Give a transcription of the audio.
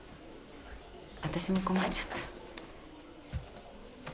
あたしも困っちゃった。